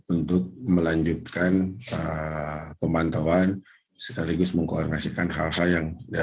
untuk melanjutkan pemantauan sekaligus mengkoordinasikan hal hal yang